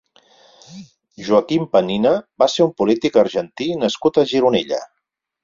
Joaquim Penina va ser un polític argentí nascut a Gironella.